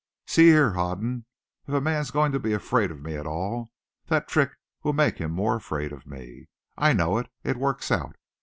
"See here, Hoden. If a man's going to be afraid of me at all, that trick will make him more afraid of me. I know it. It works out.